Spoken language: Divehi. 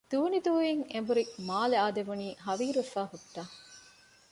ދޫނިދޫއިން އެނބުރި މާލެ އާދެވުނީ ހަވީރުވެފައި ހުއްޓާ